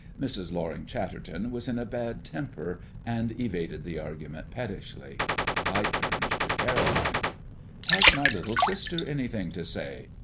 Mrs. Loring Chatterton was in a bad temper, and evaded the argument pettishly. I turned to Caroline. "Has my little sister anything to say?"